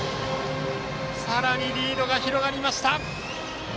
さらにリードが広がりました！